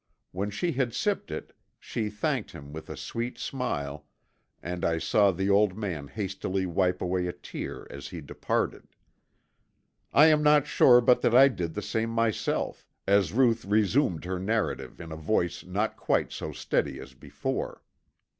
When she had sipped it she thanked him with a sweet smile and I saw the old man hastily wipe away a tear as he departed. I am not sure but that I did the same myself, as Ruth resumed her narrative in a voice not quite so steady as before.